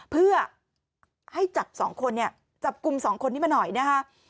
เพื่อให้จับกลุ่มสองคนนี้มาหน่อยนะฮะ